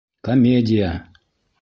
Комедия!